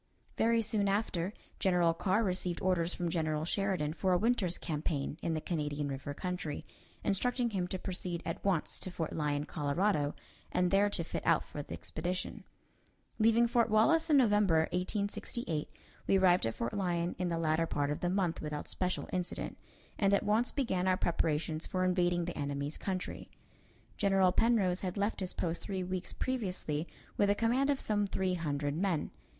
Very soon after, General Carr received orders from General Sheridan for a winter's campaign in the Canadian River country, instructing him to proceed at once to Fort Lyon, Colorado, and there to fit out for the expedition. Leaving Fort Wallace in November, 1868, we arrived at Fort Lyon in the latter part of the month without special incident, and at once began our preparations for invading the enemy's country. General Penrose had left his post three weeks previously with a command of some three hundred men.